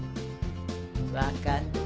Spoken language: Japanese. わかった。